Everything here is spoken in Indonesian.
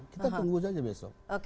kita tunggu saja besok